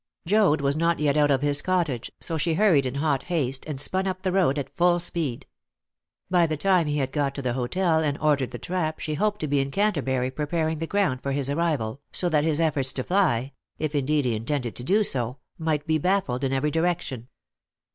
Joad was not yet out of his cottage, so she hurried in hot haste, and spun up the road at full speed. By the time he had got to the hotel and ordered the trap she hoped to be in Canterbury preparing the ground for his arrival, so that his efforts to fly if indeed he intended to do so might be baffled in every direction.